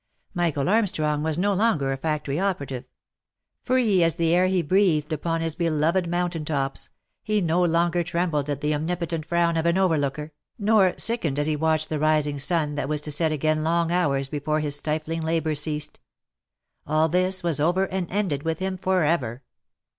Michael Armstrong was no longer a factory operative ; free as the air he breathed upon his beloved mountain tops, he no longer trembled at the omnipotent frown of an overlooker, nor sickened as he watched the rising sun that was to set again long hours before his stifling labour ceased. All this was over and ended with him for ever.